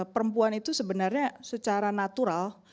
perempuan itu sebenarnya secara natural